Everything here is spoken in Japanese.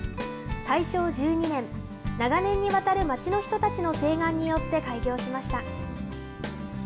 大正１２年、長年にわたる町の人たちの請願によって開業しました。